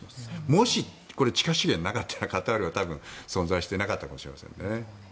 もし、地下資源がなかったらカタールは存在していなかったかもしれませんね。